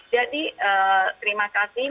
jadi terima kasih